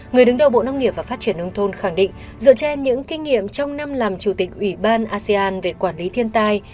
người đứng đầu bộ nông nghiệp và phát triển nông thôn khẳng định dựa trên những kinh nghiệm trong năm làm chủ tịch ủy ban asean về quản lý thiên tai